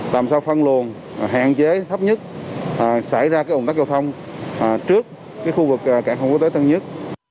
làm sao phân luồn hạn chế thấp nhất xảy ra ủng tắc giao thông trước cảng tp hcm